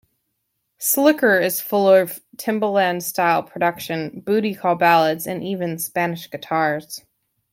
Slicker is full of Timbaland-style production, booty-call ballads and even Spanish guitars.